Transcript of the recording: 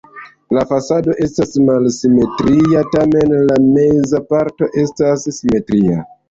La fasado estas malsimetria, tamen la meza parto estas simetria.